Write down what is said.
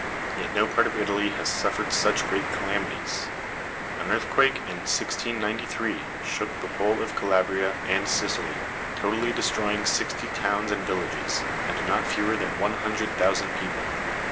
Yet no part of Italy has suffered such great calamities. An earthquake in 1693 shook the whole of Calabria and Sicily, totally destroying sixty towns and villages, and not fewer than one hundred thousand people.